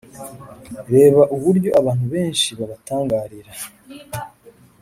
reba uryo abantu benshi babatangarira